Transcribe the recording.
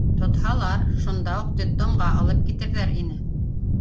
Тотһалар, шунда уҡ детдомға алып китерҙәр ине.